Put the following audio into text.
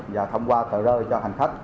và thông qua tờ rơi cho hành khách